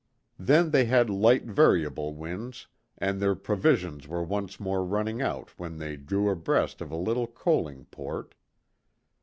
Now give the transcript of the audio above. Then they had light variable winds, and their provisions were once more running out when they drew abreast of a little coaling port.